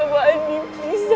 aku akan terusin kuya